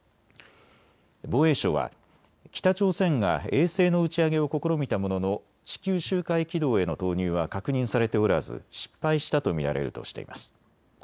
防衛省は北朝鮮が衛星の打ち上げを試みたものの地球周回軌道への投入は確認されておらず、失敗したと見られるとしています。